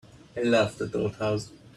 I love that old house.